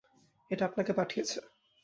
এটা আপনাকে পাঠিয়েছে।